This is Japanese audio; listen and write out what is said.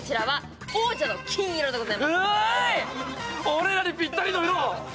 俺らにぴったりの色！